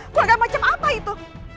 keluarga macam apa itu